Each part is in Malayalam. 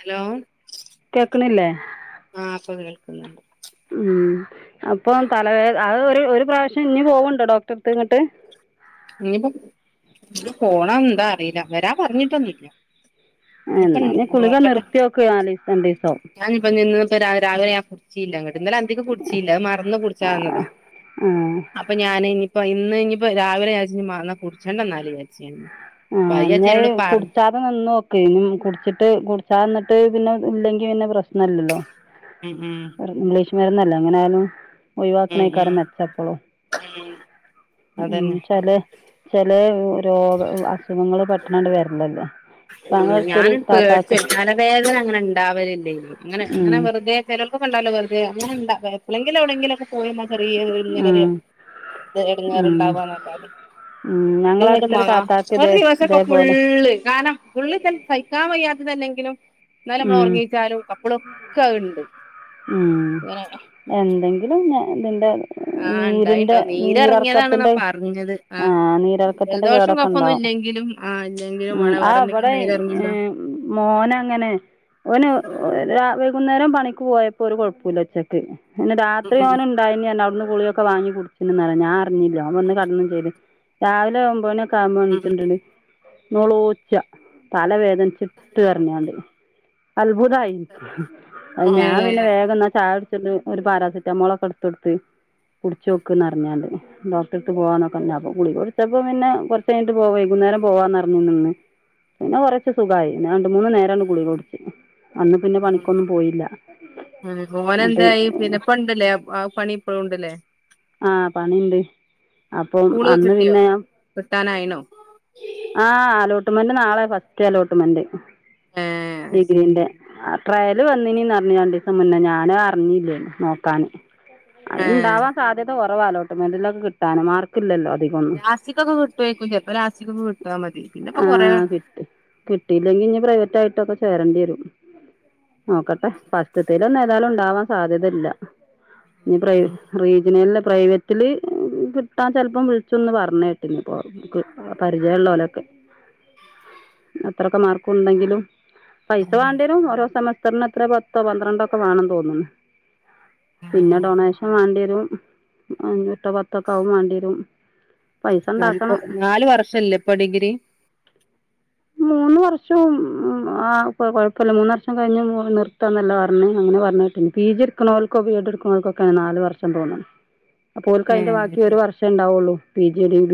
ഹലോ കേക്ണില്ലേയ്. ആ ഇപ്പൊ കേൾക്കുന്നുണ്ട്. ഉം അപ്പം തലവേദന ആഹ് ഒരു ഒരു പ്രാവശ്യം ഇഞ്ഞി പോവ്ണ്ടോ ഡോക്ടർടുത്ത് ഇങ്ങട്ട്. ഇനിയിപ്പോ ഇനി പോണം. എന്താ അറിയില്ല വരാ പറഞ്ഞിട്ടൊന്നുമില്ല. ഇനിപ്പം എന്നാ ഇനി ഗുളിക നോക്കട്ടെ നിർത്തിയോക്ക് നാലീസം രണ്ടീസം ഞാനിപ്പംഞ്ഞന്ന്. രാവിലെയ ആ കുച്ചില്ലെ [unintelligible] ഇന്നലെ അന്തിക്ക് കുടിച്ചില്ല. അത് മറന്ന് കുടിച്ചതെ ആ നിന്നതാ ആ അപ്പോ ഞാൻ ഞ്ഞിപ്പായിൻ ഇന്ന് ഞ്ഞിപ്പോ രാവിലെ വിചർച്ച് കുടിച്ചട്ടണ്ട എന്നാൽ വിചർച്ച്. ആ ഞ്ഞി കുടിച്ചാതെ നിന്നൊക്ക് ഇമ് കുടിച്ചിട്ട് കുടിച്ചാതെ നിന്നിട്ട് പിന്നെ ഇല്ലെങ്കിൽ പിന്നെ പ്രശ്നല്ലലോ. ഉം ഉം വരുന്നല്ലോ, എങ്ങനെ ആയാലും ഉം ഉം ഒഴിവാക്കനെക്കാരം മെച്ചം എപ്പളും. ഉം ഉ അതന്നെ ചില ചില രോഗ നിങ്ങൾ പെട്ടന്നാണ്ട് വെർലല്ലേ. ഉ ഞാൻ പേടിച്ച തലവേദന അങ്ങനെ ഉണ്ടാവലില്ലേ, അങ്ങനെ അങ്ങനെ ഉം വെറുതെ ചലം [unintelligible] പോയി [unintelligible] ഇങ്ങനെരു ഉം ഇത് ഉം എടങ്ങാറുണ്ടാവാന്നല്ലാതെ. ഉം ഞങ്ങളടുത്തൊരു ഇത്ടുമാങ്ങ താത്താക്ക് ഒരു ഇതേ ദിവസൊക്കെ ഇതേപോലെ ഫുള്ള് കാനം [unintelligible] സഹിക്കാൻ വയ്യാതെല്ലാകിലും എന്നാലും നമ്മളൾ ഉം ഉറങ്ങിച്ചാലും അപ്പാലൊക്കെ ആഹ്ണ്ട്. ഉം എന്തെങ്കിലും ഞാ ഇതിന്റെ ആഹ് നീരിന്റെ ഇണ്ടായിണ്ടാവും നീരെറങ്ങിയതാണെന്നാ നീരർക്കത്തിന്റെ പറഞ്ഞത് ആ ആഹ് നീരർക്കത്തിന്റെ ജലദോഷം കേടൊക്കെ കഫൊന്നും ഉണ്ടാവും. ഇല്ലെങ്കിലും ആഹ് ഉ ഇല്ലെങ്കിലും വേണേ ആ വേറെ എന്തെങ്കിലും ബടെ നീരെറങ്ങിണ്ടാവും മോൻ അങ്ങനെ ഓൻ ആ വൈകുന്നേരം പണിക്ക് പോയപ്പോ ഒരു കൊയപ്പുല്ല ഉച്ചക്ക്. ഇന്ന് രാത്രി ഉം ഓൻ ഉണ്ടായിനി അവുട്ന്ന്. ഗുളികയൊക്കെ വാങ്ങി കുടിചനാലോ ഞാനറിഞ്ഞില്ല ഓൻ വന്ന് കടന്നു ചെയ്ത് രാവിലെ ഒൻമ്പത് മണിഒക്കെ ഉം [unintelligible] നോളോച്ച തല വേദനിച്ചിട്ട് കരഞ്ഞാണ്ട് അത്ഭുതായി ഉം ഞാൻ പിന്നെ ഏഹ് വേഗം എന്നാ ചായ ഒരു പാരാസിെറ്റാമോൾ ഒക്കെ എടുത്തുകൊടുത്ത് കുടിച്ചോക്കുന്നറിഞ്ഞാണ്ട് ഡോക്ടർട്ത്ത് പോവാന്ന് പറഞ്ഞപ്പോ ഗുളിക കൊടുത്തപ്പോ പിന്നെ കുറച്ച് കഴിഞ്ഞട്ട് പോവേകു നേരം പോവാന്ന്റഞ്ഞു [unintelligible] പിന്നേ കുറെയൊക്കെ സുഖായി. പിന്നെ രണ്ട് മൂന്ന് നേരാണ് ഗുളികകൊടുത്ത് അന്ന് പിന്നെ ഉം പണിക്കൊന്നും പോയി ഉം മോനെന്തായി [unintelligible] ആ പണി ഇപ്പളുംണ്ടല്ലേ? ആ പണിണ്ട്. അപ്പം സ്കൂള് അന്ന് കിട്ടിയോ പിന്നെ കിട്ടാനായിണോ ആ അലോട്ട്മെന്റ് നാളെ ഫസ്റ്റ് അലോട്ട്മെന്റ്. ഏഹ് അത് ശരി ഡിഗ്രിന്റെ മുന്നെ ഞാനും അറിഞ്ഞില്ലേ നോക്കാന്. ഏഹ് അത്ണ്ടാവാ സാധ്യത കുറവ അലോട്ട്മെന്റിലൊക്ക കിട്ടാന്. മാർക്ക് ഇല്ലല്ലോ ലാസ്റ്റിക്കൊക്കെ കിട്ടൊയ്ക്കും ചെൽപ്പം ലാസ്റ്റ്ക്കൊക്കെ കിട്ടാമതി പിന്നെ ഇപ്പൊ കൊറെ ആഹ് കിട്ടി കിട്ടിയില്ലെങ്കി ഇനി പ്രൈവറ്റ് ആയിട്ടൊക്കെ ചേരണ്ടി വരും നീ പ്രൈ ഇല്ല പ്രൈവറ്റില് കിട്ടാൻ ചെൽപ്പം വിളിച്ചൊന്ന് പറഞ്ഞേക്ക് ഇനി ഇപ്പൊ [unintelligible] പരിചയള്ളാ ലൊക്കെ അത്രൊക്കെ മാർക്കുണ്ടെങ്കിലും [unintelligible] പത്തോ പന്ത്രണ്ടോ ഒക്കെ വേണംന്ന് തോന്നുന്നു. പിന്നെ ഉം ഡൊണേഷൻ വാണ്ടിരും പ്പം അഞ്ച് എട്ടോ പത്തൊ നല്പ്പോ നാലു വർഷല്ലെ ഇപ്പൊ ഡിഗ്രി? മ്മ്മ് ആ കുഴപ്പല്ല മൂന്നർഷം കഴിഞ്ഞ് നിർത്താന്ന് ക്ണോൽക്കോ ബി എ ഡ് എട്ക്കണോൽക്കൊക്കെയാണ് നാല് വർഷംപോണം അപ്പോൽക്ക അതിന്റെ ഏഹ് ബാക്കി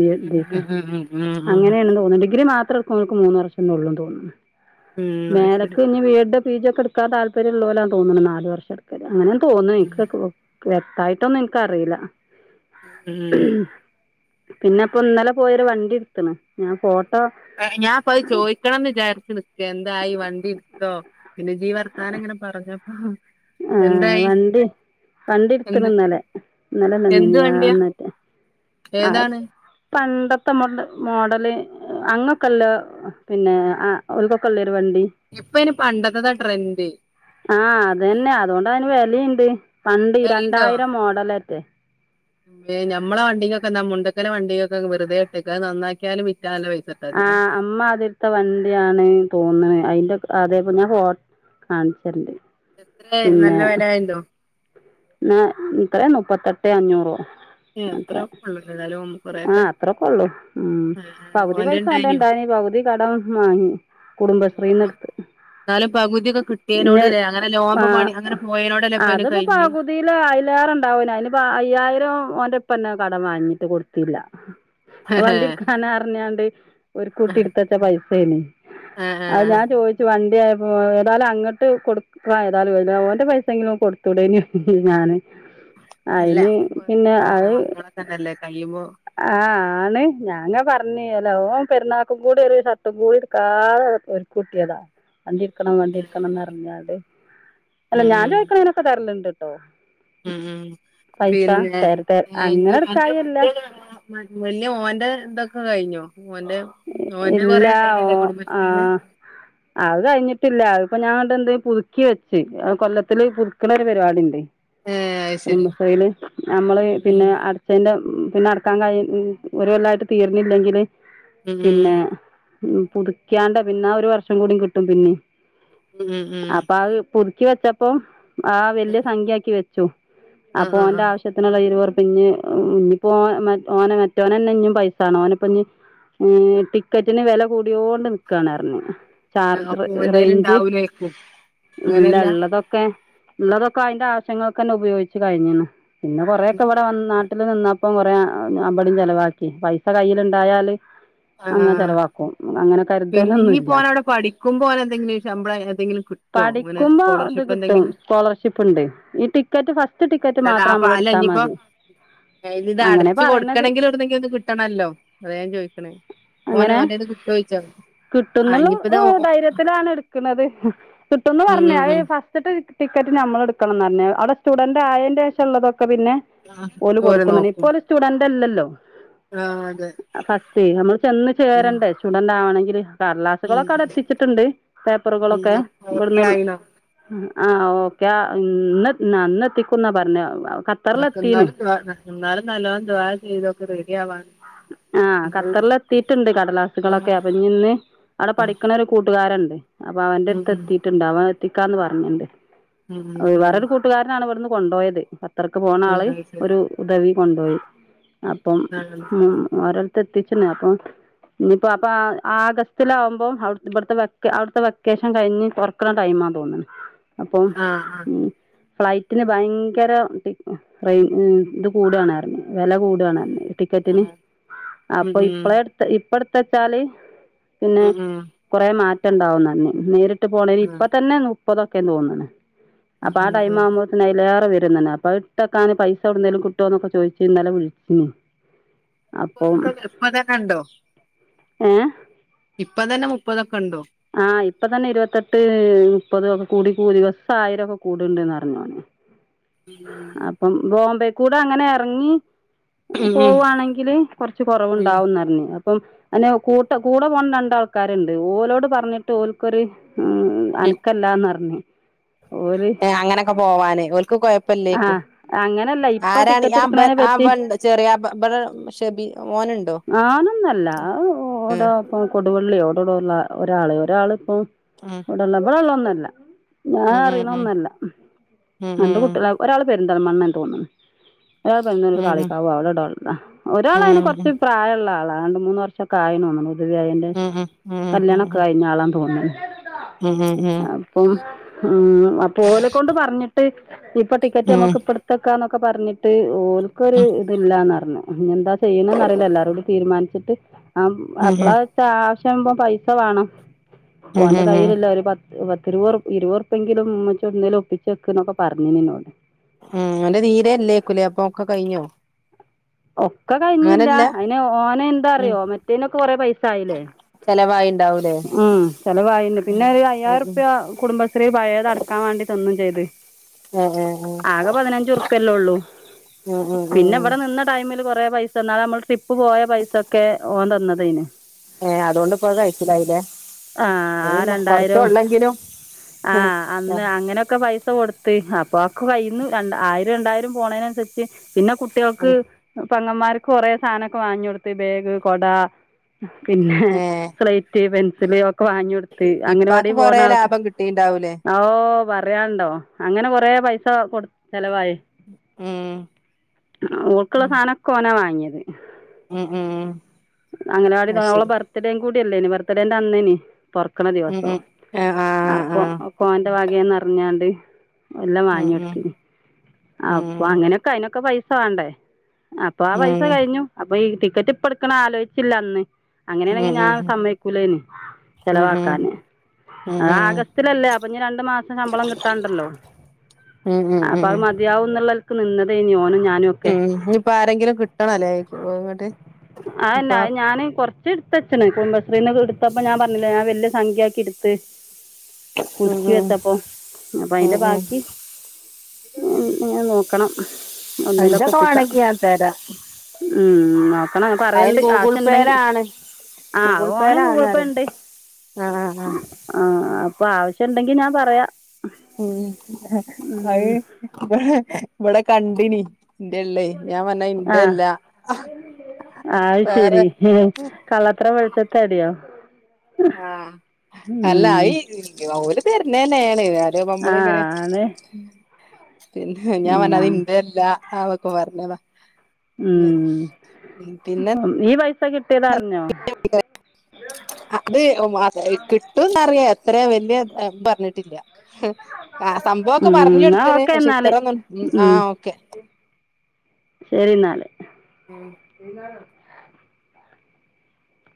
അത് ശരി. ഉം ഉം ഉം ഉം ഉം അങ്ങനെയാണ് തോന്നണ്ട് ഡിഗ്രി മാത്രം [unintelligible] മൂന്ന് വർഷംന്നുള്ളൂ തോന്നുന്നു. ഉം അത് ശരി മേലക്ക് പി ജി ഒക്കെടുക്കാൻ താൽപര്യമുള്ളോല്ലാന്ന് തോന്ന്ണ് നാല് വർഷം എടുക്ക അങ്ങനേന്ന് തോന്നണ് വ്യക്തായിട്ടൊന്നും എനിക്കറിയില്ല. ഉം പിന്നെ ഇപ്പോ ഇന്നലെ പോയൊരു വണ്ടി ഇടുത്ത്ണ്. ഞാൻ ഫോട്ട ഞാ അപ്പൊ അത് ചോദിക്കണംന്ന് വിചാരിച്ച് നിക്ക എന്തായി വണ്ടി ഇട്‌ത്തോ പിന്നെ ഇജ്ജ്‌ ഈ വർത്താനം ഇങ്ങനെ പറഞ്ഞപ്പോ ആ എന്തായി വണ്ടി വണ്ടിട്‌ത്ത്ണ് എന്ത് ഇന്നലെ. ഇന്നലെയല്ല എന്ത് വണ്ടിയാ മിനിഞ്ഞാന്നട്ടെ ഏതാണ്? പണ്ടത്തെ മ മ മോഡല് അങ്ങൊക്കെല്ലോ പിന്നെ ആ ഓൽക്കൊക്കെ ഒള്ളെ ഇപ്പ ഇനി പണ്ടത്തെതാ ട്രെൻഡ്. അതുകൊണ്ടതിന് വെലേണ്ട്. വെലേണ്ടോ [unintelligible] ഞമ്മളെ വണ്ടിക്കെന്താ [unintelligible] ഞങ്ങടെ വണ്ടിയൊക്കെ വെറുതെട്ടക്ക അത് നന്നാക്കിയാലും വി ആ അമ്മാതിർത്ത വണ്ടിയാണ് തോന്ന്ണ് അതിന്റെ അതേപ്പോം ഞാൻ ഫോട്ടോ കാണി ച്ചരണ്ട്. എത്ര പിന്നെ നല്ല വെലായുണ്ടോ ന്ന എത്രേ മുപ്പത്തെട്ട് അഞ്ഞൂറോ? എത്ര അത്ര ഉള്ളൂ ഏതായാലും ആ കൊറെയൊക്കെ അത്രക്കൊള്ളു ഉം പകുതി ഓന്റെ പൈസ ന്റെ ഇണ്ടായിനു ഉണ്ടായിനീ പകുതി കടം വാങ്ങി എന്നാലും കുടുംബശ്രീന്ന് പ- എടുത്ത്. എന്നാലും പകുതിയൊക്കെ ഇനി കിട്ടിയേനോട്ല്ലേ അങ്ങനെ [unintelligible] ആഹ് പണി അങ്ങനെ പോയനോടല്ലേ ഇപ്പ അയ്ന് കഴിഞ്ഞ് [unintelligible] അയിനിപ്പ അയ്യായിരം ഓന്റെ പ ഇപ്പത്തന്നെ കടം വാങ്ങിട്ട് കൊടുത്തില്ല. വണ്ടിട്ക്കാന അറിഞ്ഞാണ്ട് പ ഒരു കൂട്ടി എടുത്തച്ച പൈസേ നി ആ ആ അത് ഞാൻ ചോദിച്ചു വണ്ടി ആയപ്പോ ഏതാലും അങ്ങട്ട് കൊടുക്കായേതാലും വ ഓന്റെ പൈസെങ്കിലും കൊടുത്തൂടേയ്നോ ഞാന് അല്ല അയിന് പിന്നെ [unintelligible] തന്നെല്ലേ കഴയുമ്പോ ആ ആണ് ഞാന്ന് പറഞ്ഞ് അല്ല ഓൻ പെരുന്നാക്കും കൂടി ഒരു ഷർട്ടും കൂടിടുക്കാതെ ഒരുക്കൂട്ടിയതാ വണ്ടിട്ക്കണം ഉം വണ്ടിട്ക്കണംന്ന് അറിഞ്ഞാണ്ട് അല്ല ഉം ഞാൻ ചോദിക്കണേനൊക്കെ തെരല്ല് ണ്ട്ട്ടോ ഉം ഉം പിന്നെ തര തര അങ്ങനെ [unintelligible] മറ്റേ എടുക്കായില്ല മറ്റേ കാര്യങ്ങള് വല്ല്യ മോന്റെ ഇതൊക്കെ കഴിഞ്ഞോ ഓന്റെ ഓൻന്റെ ഇല്ല കൊറേ ഓ ണ്ടായിനില്ലേ കുടുംബശ്രീന്ന് കിട്ടില്ല ഇപ്പൊ ഞാന [unintelligible] അതിപ്പോ പുതുക്കി വെച്ച് കൊല്ലത്തില് പുതുക്കണ ഒരു പരിപാടിണ്ട് ഏ, അത് ശരി കുടുംബശ്രീയില് നമ്മള് പിന്നെ ഉം അടചേന്റെ ഉം പിന്നെ നടക്കാൻ കഴി മം ഒരു കൊല്ലായിട്ട് തീർന്നില്ലെങ്കില് ഉം ഉം പുതുക്യാണ്ട് പിന്നെ ആ ഒരു വർഷം കൂടി കിട്ടും പിന്നിം ഉം ഉം അപ്പൊ അത് പുതുക്കി വെച്ചപ്പോ ആ വല്ല്യ സംഖ്യാക്കി വെച്ചു ആ അപ്പോ ആ ആ ഓന്റെ ആവശ്യത്തിന്ന് കൈയില്ല് വെറു പിന്നിം ഹ് ഇനിപ്പോ ഓ ഓന മറ്റോനന്നെ ഇഞ്ഞി പൈസാണം ഓന്പ്പ ഞ്ഞി മ്മ് ടിക്കറ്റിന് വെല കൂടിയോണ്ട് നിക്കാണാർഞ്ഞ് ആ, ചാർജ് അപ്പൊ ഓന്റെല് റേഞ്ച് ഇണ്ടാവൂലേക്കും ഇല്ല അങ്ങനെയല്ല ഇള്ളതൊക്കെ ഇള്ളതൊക്കെ അയ്ന്റെ ആവശ്യങ്ങക്കെന്നെ ഉപയോഗിച്ച് കഴിഞ്ഞെണ്ണ് പിന്നെ കൊറേക്കെ ഇവിടെ വന്നാ ട്ടില് നിന്നപ്പം കൊറേ ബടിം ചെലവാക്കി പൈസ കയ്യില്ണ്ടായാല് ആ അങ്ങനെ ചെലവാക്കും അങ്ങനെ പിന്നെ കരുതലൊന്നുല്ല ഇഞ്ഞിപ്പോനവിടെ പഠിക്കുമ്പോനെന്തെങ്കിലും ശമ്പളം എന്തെങ്കിലും കിട്ടോ അങ്ങനെ പഠിക്കുമ്പോ ഇത് സ്കോളർഷിപ്പ് കിട്ടും എന്തെങ്കിലും സ്കോളർഷിപ്പ്ണ്ട് ഈ ടിക്കറ്റ് ഫസ്റ്റ് റ്റ് ടിക്കറ്റ് മാത്രം നമ്മളെടുത്താൽ മതി ആയിനിത് അങ്ങനെ അടച്ചു പറയ്ണത് കൊടുക്കണെങ്കില് യവ്ട്ട്ന്നെങ്കിലും ഇത് കിട്ടണല്ലോ അത ഞാൻ ചോയ്ക്ക്ണെ അങ്ങനെ ആ കിട്ടുന്നുള്ള ഇനിയിപ്പത് ഹ് ഉം ധൈര്യത്തിലാണ് എടുക്കുന്നത് കിട്ടുംന്ന് പറഞ്ഞ് ഉം അത് ഉം. ഫസ്റ്റ്ത്തെ ടിക്കറ്റ് നമ്മള് എടുക്കണംന്ന് പറഞ്ഞ് അവിടെ സ്റ്റുഡന്റായേന്റേഷം ള്ളതൊക്കെ ക്ക പിന്നെ ആഹ് ഓല് ഓര് കൊടുക്കുംന്ന് പറഞ്ഞ് നോക്കും ഇപ്പോ ഒരു സ്റ്റുഡന്റ് ല്ലല്ലോ ആഹ് അതെ ആ ഫസ്റ്റെയ്‌ നമ്മൾ ചെന്ന് ഉം ചേരണ്ടേ സ്റ്റുഡന്റ് ആവാണെങ്കില് ഉം കടലാസുകളൊക്കെ അവടടെ എത്തിച്ചിട്ടുണ്ട് പേപ്പറുകളൊക്കെ ഇവിടുന്ന് ക്യായിനോ ആ ഓക്കെ ഉം ഇന്ന് ആ ഇന്നത്തിക്കുംന്നാ പറഞ്ഞ് ഒക്കെന്നാലും ദുആ എന്നാലും നല്ലോ ദുആ ചെയ്തോ ഒക്കെ റെഡിയ ആവാൻ ആ നമ്മള് ഖത്തറിലെത്തീയിട്ടുണ്ട് ആഹ് കടലാസുകളൊക്കെ അപ്പൊ ഇഞ്ഞി ഇന്ന് അവിടെ ഉം പഠിക്കണരു കൂട്ടുകാരണ്ട് അപ്പൊ അവന്റെ ഉം അടുത്ത് എത്തിട്ടുണ്ട് അവൻ എത്തിക്കാന്ന് പറഞ്ഞിട്ടണ്ട് ഉം ഉം ഉം ഉം വേറൊരു കൂട്ടുകാരനാണ് ഇവിടുന്ന് കൊണ്ടോയത് കാത്തർക്ക് പോണ ആള് ആഹ് അത് ശരി ഒരു ഉദവി കൊണ്ടോയി അപ്പം ആഹ് ഉം ഓരട്ത്ത് എത്തിച്ച് ണ് അപ്പൊ ഇനിപ്പോ അപ്പൊ ആ ആഗസ്റ്റിലാകുമ്പോ അവ് ഇവിടുത്തെ അവിടുത്തെ വെക്കേഷൻ കഴിഞ്ഞ് തുറക്കണ ടൈമ് തോന്ന്ണ് അപ്പോം ആഹ് ആഹ് ഉം ഫ്ലൈറ്റില് ഭയങ്കര ഇത് റെയി മ്മ് കൂടാണ്പറഞ്ഞു വെലകൂടാ ണാർ ഞ്ഞ് ടി ടിക്കറ്റിന് ആഹ് അപ്പൊ ഉം ഉം ഇപ്പളേ ഇട്ത്ത് ഇപ്പ ഇട്ത്തെച്ചാല് പിന്നെ ഉം ഉം കൊറേ മാറ്റണ്ടാവുംന്ന് പറഞ്ഞ് നേരിട്ട് പോണേന് ആഹ് ഇപ്പ തന്നെ നു ഇപ്പതൊക്കെതോന്നണ് അപ്പ ആഹ് ആ ആഹ് ടൈമ് ആഹ് ആവുമ്പോത്തിന് അയ്ലേറെ വെരും [unintelligible] അപ്പൊ അത് ഇട്ടെക്കാന് പൈസ എവിട്ന്നേലും കിട്ടോന്നൊക്കെ ചോയ്ച്ച് ഇന്നലെ വിൾച്ചീന്ന് ഇപ്പോതൊക്കെ [unintelligible] ഇപ്പോതൊക്കെണ്ടോ ഏ ഇപ്പതന്നെ മുപ്പതൊ ആ ഇപ്പ തന്നെ ഇരുവത്തെട്ട് ഉം പ്പതൊക്കെ കൂടിക്കൂടി ദിവസം ആയിരൊക്കെ കൂടിണ്ട്ന്നറിഞ്ഞു അപ്പം ബോംബെക്കൂടെ അങ്ങനെ എറങ്ങി ഉം [inaudible] ഉം പോവാണെങ്കില് കൊറച്ച് ഉം കൊറവുണ്ടാവുന്നർഞ്ഞി പ്പം അന്നെ കൂടെ പോകണം രണ്ടാൾക്കാര്ണ്ട് ഓലോട് പറഞ്ഞിട്ട് ഓല്ക്കൊര് ം അൻക്കല്ലാന്നർഞ്ഞ് എ അങ്ങനക്കെ പോവാന് ഓൽക്ക് ആ കൊപ്പല്ലേക്കും അങ്ങനല്ല ഇപ്പൊ ആരാണ ടിക്കറ്റ് എടുക്കണേനെ പറ്റി [unintelligible] ചെറിയ [unintelligible] ഓനു ഓനൊന്നോല്ല അത് ഓൻ്റൊപ്പം കൊടുവള്ള്യോ അവെടവടോള്ളരാള് ഒരാള് പ്പോ ഉം ബടെള്ളതോന്നോല്ല ഉം ഉം ഉം ഞാനറീണതോന്നോല്ല ഉം രണ്ട് കുട്ട്യളാ ഉം ഒരാള് പെര്ന്തൽമണ്ണണ്ടോന്ന്ണ്. അ ഉം പറുന്ന ഉം ഉം കളിക്കാവു അവിടെടള്ള ഉം ഒരാൾകൊറ [inaudible] ഉം ഉം ള്ള ആളാ രണ്ട് മൂന്ന് വർഷൊക്കായി തോന്നുണു ഹുദവി ആയീൻ്റെശേഷം ഉം ഉം ഉം ഉം ഉം ഉം കല്യാണോക്കെ കഴിഞ്ഞ ആളാ തോന്നുണ് അ്ഹ്ഹ് അപ്പം അ് അപ്പോലെ കൊണ്ട് പറഞ്ഞിട്ട് ഇപ്പൊ ടിക്കറ്റ് ഞമ്മക്ക് ഇപ്പടുത്തെക്കാന്നൊ--ഇപ്പടുത്തെക്കാന്ന് ക്കെ പറഞ്ഞിട്ട് ഓൽക്കൊരു ഇദ് ഇല്ലാന്നറഞ്ഞു ഞി എന്താ ചെയ്യണ് തീരുമാനിച്ചിട്ട് ം ഉം അപ്പളാച്ചാ ആവശ്യാവുമ്പോ പൈസ വേണം ഉം ഓന്റെ ഉം ഉം കയ്യിലില്ല ഒരു പത്ത് പത്തിരുപതുർപ്യങ്കിലും മ്മച്ചി എവ്ട്ന്നെങ്കിലുംഒപ്പിച്ചെക്ക്ന്നൊക്ക് പറഞ്ഞീന്നുനോട് അ് ഓന്റെ തീരെ അല്ലേക്കുല [unintelligible] അപ്പൊ ഒക്കെ കഴിഞ്ഞോ ഒക്കെ കഴിഞ്ഞില്ല അങ്ങനല്ല ഉം അയിന്ഓനെന്താറിയോ മറ്റേനൊക്കെ കൊറെ പൈസ ആയില്ലേ? ണ്ടാവുലെ ഉം ചെലവായിണ്ട് പിന്നെ ഒരു ഉം അയ്യായിരറ്പ്യാ കുടുംബശ്രീ പഴേത് അടക്കാൻ വേണ്ടിട തന്നൂ ചെയ്ത് ഏഹ് ഏഹ് ഏഹ് ആകെ പതിനഞ്ചുർപ്പില്ലേള്ളൂ. ഉം ഉം പിന്നെ ഉം ഇവിടെ നിന്ന കൊറെ പൈസ ന്നാള് നമ്മൾ ട്രിപ്പ് പോയ പൈസക്കെ ഓൻ തന്നതേര്ന്നു ഏ അതോണ്ട്പ്പോ അത് കയീച്ചിലായില്ലേ ആ ആ അതില് രണ്ടായിരം കൊറച്ചൊള്ളെങ്കിലും ആ അന്ന് അങ്ങനൊക്കെ പൈസ കൊടുത്ത്. അപ്പൊ ആക്കെകയ്യിന്ന് രണ്ട ആയിരോ രണ്ടായിരം പോണേനൻസര്ച്ച് പിന്നെ കുട്ടികൾക്ക് ഉം പ്പെങ്ങമ്മാർക്ക് കൊറെേ സാധനൊക്കെ വാങ്ങി കൊടുത്ത് ബേഗ് കൊട പിന്നെ ഏഹ് സ്ലേറ്റ് പെൻസില് ഒക്കെ വാങ്ങി കൊടുത്ത് അങ്കനവാടി ഇപ്പാക്ക് പോണ കൊറേ ആൾക്ക് ലാഭം കിട്ടിണ്ടാവൂലേ ആ ഓ പറയാണ്ടോ അങ്ങനെ കൊറേ പൈസ കൊടുത്ത് ചെലവായി ം കുള്ള സാധനോക്കെ ഓനാ വാങ്ങിത് ഉം ഉം അങ്കനവാടി അത് ഓളെ ശരി ബർത്ത്ഡേ ബർത്ത്ഡേൻ്റന്നേനു തോറ്ക്ക്ണ ഉം ദിവസം ഉം ആഹ് ആഹ് അപ്പൊ ആഹ് ഓൻ്റെ വ ണ്ട് എല്ലാം ഉം ഉം വാങ്ങോട്ത്ത്ന് അപ്പോ ഉം അങ്ങനൊക്കെ അതിനൊക്കെ പൈസ പൈസ വാണ്ടേ അപ്പൊ ആ ഉം പൈസ ഉം കഴിഞ്ഞു അപ്പൊ ഈ ടിക്കറ്റ് പ്പട്ക്ക്ണആലോയിച്ചില്ല അന്ന് ഉം ഉം അങ്ങനെയണങ്കി ഞാൻ ഉം സമ്മതിക്കൂലേര്ന്ന് ഉം ചെലവാക്കാന് ഉം അത് ആഗസ്റ്റിലല്ലേ അപ്പൊ ഇഞി രണ്ട്മാസം ശമ്പളം കിട്ടാണ്ടല്ലോ. ഉം അപ്പൊ അത് ഉം മതിയാവും എന്നുള്ളനെലക്ക് നിന്നതേര്ന്നു ഓനും ഞാനോക്ക ഇപ്പ ആരെങ്കിലും കിട്ടണല്ലേ [unintelligible] എരിക്കും അ അങ്ങട്ട് ഇപ്പ കുറച്ച്ട്ത്തെച്ച്ണ് കുടുംബശ്രീന്ന് എടുത്തപ്പോ ഞാൻ പറഞ്ഞില്ലെ ഞാൻ വ. ല്യ സംഖ്യ ആക്കി ട്ത്ത് ഉം പുതുക്കി ഉം, വെച്ചപ്പോ അപ്പൊ ഉം, അതിന്റെ ഉം. ബാക്കി നോ [unintelligible] ആക്കണം അഞ്ചോക്ക വാണങ്കി ഞാൻ ത്തരാ ം നോക്കണം ഞാൻ പറെണ്ട് ആവശ്യണ്ടെങ്കി പേയിലാണ് ആ ഗൂഗിൾ പേയിലാണ് ഓന്ഗൂഗ്ൾ പേ പറയും ണ്ട് ആഹ് ആഹ് ആഹ് ആ അപ്പൊ ആവശ്യണ്ടെങ്കി ഞാൻ പറയാം ഉം ഉം അത് ഇവിടെ കണ്ടിനി ഇന്റെയല്ലെ ഞാൻ പറഞ്ഞു അത് ഇന്റെല്ല ആ അത് ശരി കള്ളത്തരം വൾതാടിയോച്ചത്താട്യോ? ആ അല്ല ഇനിക്ക് ഓല് തെരുന്നന്നെണ്. ത്പ്പൊ ആ ഞമ്മള്ങ്ങനെ ആണ് പിന്നെ ഞാൻ പറഞ്ഞ അത് ഉം ഇന്റെല്ല അവൊക്കെ പറഞ്ഞതാ പിന്നെ ഉം പിന്നെ പ്പ കിട്ടിയതറിഞ്ഞോ [unintelligible] അത് കിട്ടുന്നറിയ എത്ര വല്യയ പറഞ്ഞിട്ടില്ല ആ സംഭവൊക്കെ ഉം പറഞ്ഞു എന്നാ കൊടുത്തന ഓക്കെ പക്ഷെ എന്നാല് ഇത്രൊന്നും ഉ ഉം ആഹ് ഓക്കെ ശരി എന്നാല് ഉം